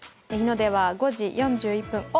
日の出は５時４１分。